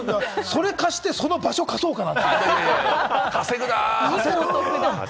それを貸し出して、その場所も貸し出そうかな？